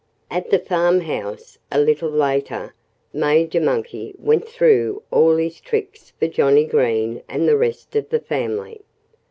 At the farmhouse, a little later, Major Monkey went through all his tricks for Johnnie Green and the rest of the family.